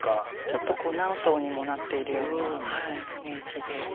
ちょっとこう何層にもなっているようなイメージで。